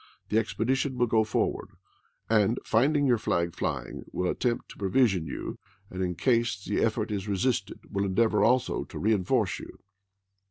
the expedition will go forward; and, finding your flag flying, will attempt to provision you, and, in case the effort is resisted, will endeavor also to reenforce you.